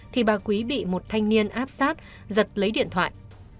thì bà quý bị một thanh niên áp sát giật lấy điện thoại